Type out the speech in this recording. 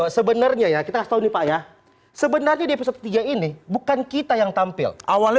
sebenarnya ya kita tahu nih pak ya sebenarnya di episode ketiga ini bukan kita yang tampil awalnya